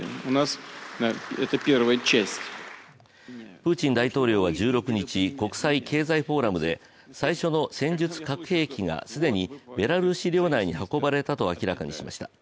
プーチン大統領は１６日、国際経済フォーラムで最初の戦術核兵器が既にベラルーシ領内に運ばれたと明らかにしました。